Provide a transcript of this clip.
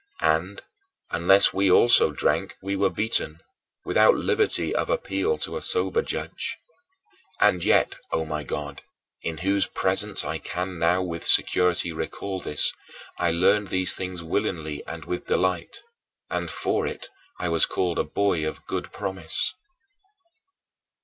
And, unless we also drank we were beaten, without liberty of appeal to a sober judge. And yet, O my God, in whose presence I can now with security recall this, I learned these things willingly and with delight, and for it I was called a boy of good promise.